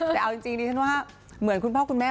แต่เอาจริงดิฉันว่าเหมือนคุณพ่อคุณแม่